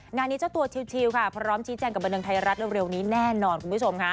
งานนี้เจ้าตัวชิลค่ะพร้อมชี้แจงกับบันเทิงไทยรัฐเร็วนี้แน่นอนคุณผู้ชมค่ะ